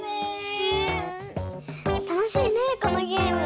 たのしいねこのゲーム。